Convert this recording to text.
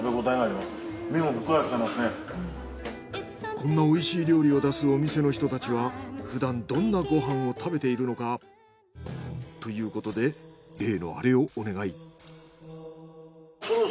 こんなおいしい料理を出すお店の人たちはふだんどんなご飯を食べているのか。ということで例のアレをお願い。